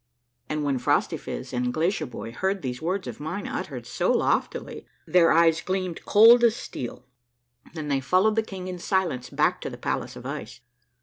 And when Phrostyphiz and Glacierbhoy heard these words of mine uttered so loftily, their eyes gleamed cold as steel, and they followed the King in silence back to the palace of ice.